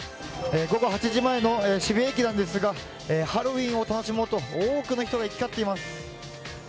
午後８時前の渋谷駅なんですがハロウィーンを楽しもうと多くの人が行き交っています。